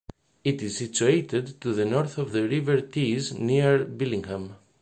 It is situated to the north of the River Tees, near Billingham.